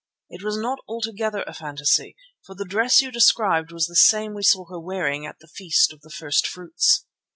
It was not altogether a phantasy, for the dress you described was the same we saw her wearing at the Feast of the First fruits."